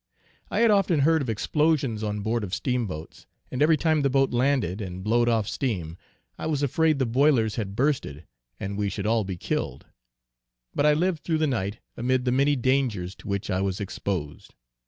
I had often heard of explosions on board of Steamboats; and every time the boat landed, and blowed off steam, I was afraid the boilers had bursted and we should all be killed; but I lived through the night amid the many dangers to which I was exposed.